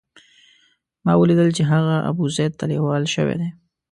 ما ولیدل چې هغه ابوزید ته لېوال شوی دی.